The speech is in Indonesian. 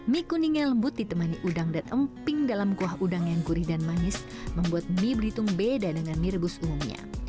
mie kuning yang lembut ditemani udang dan emping dalam kuah udang yang gurih dan manis membuat mie belitung beda dengan mie rebus umumnya